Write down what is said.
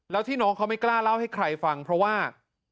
แล้วที่น้องเขาไม่กล้าเล่าให้ใครฟังเพราะว่า